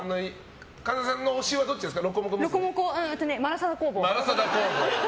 神田さんの推しはどっちですか？